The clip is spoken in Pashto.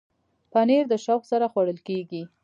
پنېر په شوق سره خوړل کېږي.